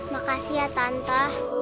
makasih ya tante